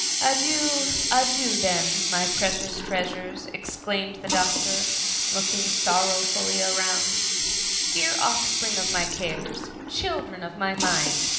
*"" Adieu ! adieu ! then, my precious trea sures!" exclaimed the doctor, looking sorrow fully around :" Dear oflFspring of my cares I children of my mind